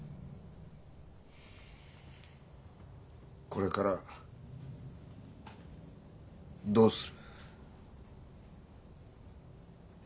これからどうする？